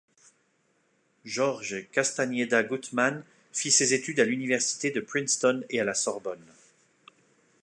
Jorge Castañeda Gutman fit ses études à l'université de Princeton et à la Sorbonne.